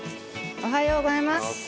おはようございます。